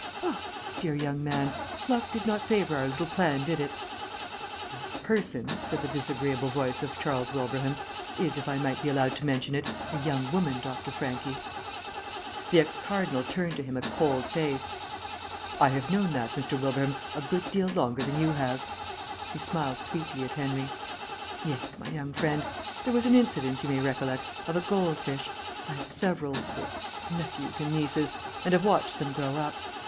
"Ah, my dear young man. Luck did not favour our little plan, did it?" "That person," said the disagreeable voice of Charles Wilbraham, "is, if I may be allowed to mention it, a young woman, Dr. Franchi." The ex cardinal turned to him a cold face. "I have known that, Mr. Wilbraham, a good deal longer than you have." He smiled sweetly at Henry. "Yes, my young friend. There was an incident, you may recollect, of a goldfish.... I have several er nephews and nieces and have watched them grow up.